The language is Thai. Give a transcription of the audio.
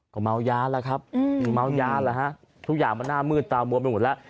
ก็เมาย้าแล้วครับทุกอย่างมันหน้ามืดตามวมไปหมดแล้ว